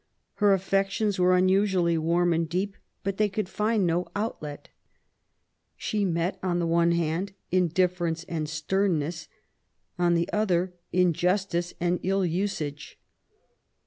Her affections were unusually warm and deep, but they could find no outlet. She met^ on the one hand^ indifference and sternness; on the other^ injustice and ill usage.